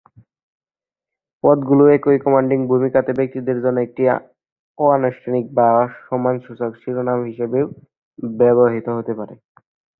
পদগুলি একই কমান্ডিং ভূমিকাতে ব্যক্তিদের জন্য একটি অনানুষ্ঠানিক বা সম্মানসূচক শিরোনাম হিসাবেও ব্যবহৃত হতে পারে।